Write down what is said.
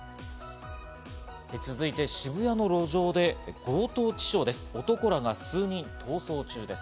続いて渋谷の路上で強盗致傷です。